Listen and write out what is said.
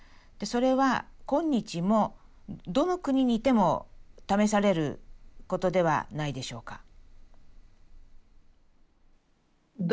それは今日もどの国にいても試されることではないでしょうか？